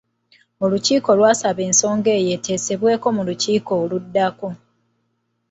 Olukiiko lw'asaba ensonga eyo eteesebweko mu lukiiko oluddako.